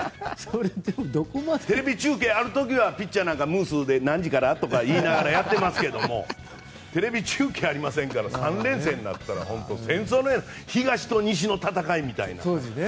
テレビ中継ある時はピッチャーなんか何時から？とか言いながらやっていますけどテレビ中継ありませんから３連戦になったら戦闘のように東と西の戦いみたいな。